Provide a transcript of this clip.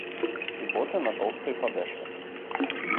І боты на тоўстай падэшве.